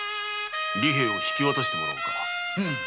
利平を引き渡してもらおうか。